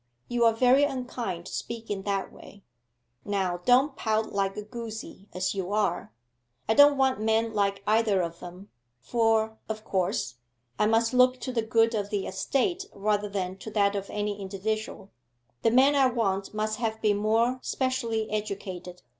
'You are very unkind to speak in that way.' 'Now don't pout like a goosie, as you are. I don't want men like either of them, for, of course, I must look to the good of the estate rather than to that of any individual. The man I want must have been more specially educated.